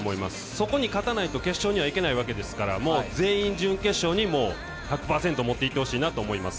そこに勝たないと決勝には行けないわけですから、もう全員、準決勝に１００％もっていってほしいなと思います。